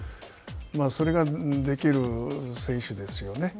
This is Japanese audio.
それができる選手ですよね。